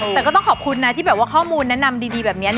แต่ก็ต้องขอบคุณนะที่แบบว่าข้อมูลแนะนำดีแบบนี้